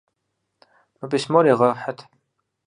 Мы письмор егъэхьыт!